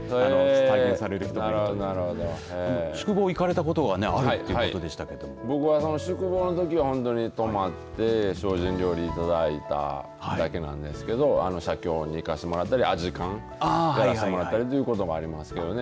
体験できるということで宿坊行かれたことがあると僕は宿坊のときは本当に泊まって精進料理いただいただけなんですけど写経にいかせてもらったりあじかんやらしてもらったりということもありますけれどもね。